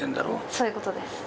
そういうことです。